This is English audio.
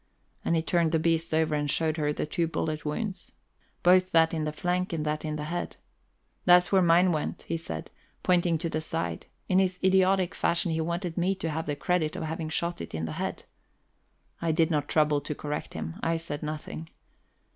And he turned the beast over and showed her the two bullet wounds, both that in the flank and that in the head. "That's where mine went," he said, pointing to the side in his idiotic fashion he wanted me to have the credit of having shot it in the head. I did not trouble to correct him; I said nothing.